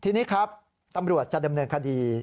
ทีนี้ครับตำรวจจะดำเนินคดี